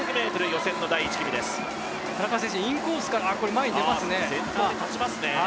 田中選手、インコースから前に出ますね。